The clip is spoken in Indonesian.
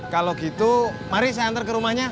kalau gitu mari saya antar ke rumahnya